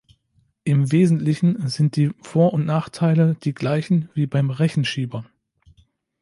Im Wesentlichen sind die Vor- und Nachteile die Gleichen wie beim Rechenschieber.